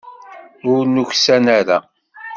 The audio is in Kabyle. Ur nuksan ara.